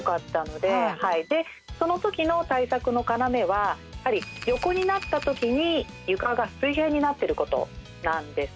でその時の対策の要はやはり横になった時に床が水平になってることなんです。